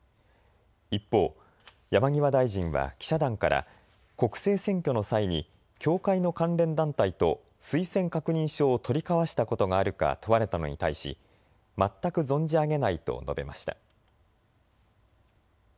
一方、山際大臣は記者団から国政選挙の際に教会の関連団体と推薦確認書を取り交わしたことがあるか問われたのに対し全く存じ上げないと述べました。